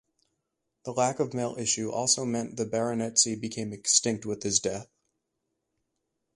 The lack of male issue also meant the baronetcy became extinct with his death.